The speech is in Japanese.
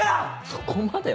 そこまで？